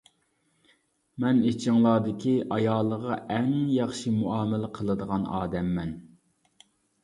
مەن ئىچىڭلاردىكى ئايالىغا ئەڭ ياخشى مۇئامىلە قىلىدىغان ئادەممەن.